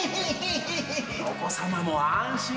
お子様も安心。